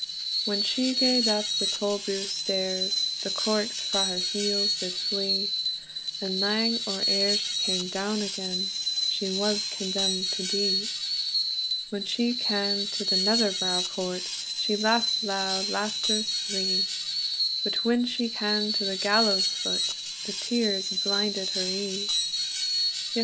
When she gaed up the Tolbooth stairs, The corks frae her heels did flee; And lang or eer she cam down again, She was condemned to die. When she cam to the Netherbow Port, She laughed loud laughters three; But when she cam to the gallows foot, The tears blinded her ee.